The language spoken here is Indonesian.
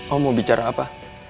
om mau bicara apa